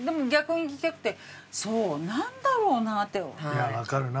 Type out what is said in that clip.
いやわかるな。